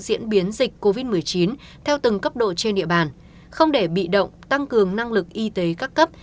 diễn biến dịch covid một mươi chín theo từng cấp độ trên địa bàn không để bị động tăng cường năng lực y tế các cấp